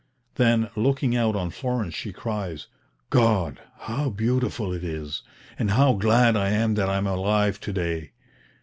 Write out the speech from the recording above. Then, looking out on Florence, she cries, "God! how beautiful it is, and how glad I am that I am alive to day!"